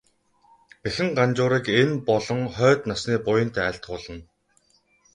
Бэхэн Ганжуурыг энэ болон хойд насны буянд айлтгуулна.